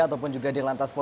ataupun juga di lantas polda